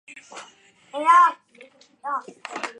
稻田仰卧秆藨草为莎草科藨草属下的一个变种。